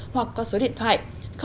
hoặc có số điện thoại